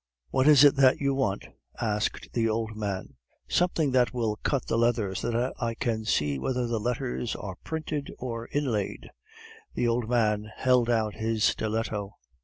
"What is it that you want?" asked the old man. "Something that will cut the leather, so that I can see whether the letters are printed or inlaid." The old man held out his stiletto.